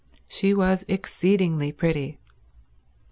She was exceedingly pretty.